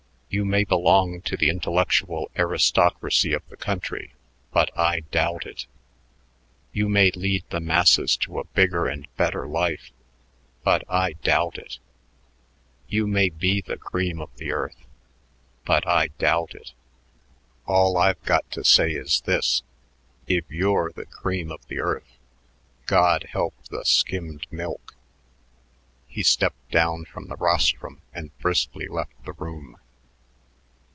"You may belong to the intellectual aristocracy of the country, but I doubt it; you may lead the masses to a 'bigger and better' life, but I doubt it; you may be the cream of the earth, but I doubt it. All I've got to say is this: if you're the cream of the earth, God help the skimmed milk." He stepped down from the rostrum and briskly left the room.